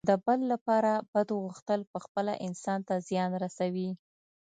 د بل لپاره بد غوښتل پخپله انسان ته زیان رسوي.